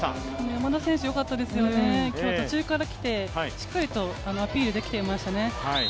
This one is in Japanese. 山田選手よかったですよね、今日は途中から来て、しっかりとアピールできてましたね。